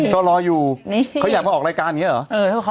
ก็รออยู่เขาอยากมาออกรายการอย่างนี้เหรอ